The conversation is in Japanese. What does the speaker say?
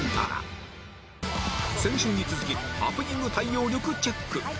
先週に続きハプニング対応力チェック